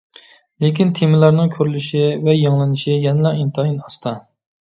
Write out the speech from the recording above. لېكىن تېمىلارنىڭ كۆرۈلۈشى ۋە يېڭىلىنىشى يەنىلا ئىنتايىن ئاستا.